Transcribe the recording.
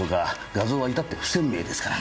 画像はいたって不鮮明ですから。